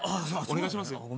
お願いしますよ